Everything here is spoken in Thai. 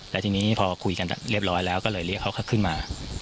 แล้วทีนี้พอคุยกันเรียบร้อยแล้วก็เลยเรียกเขาขึ้นมา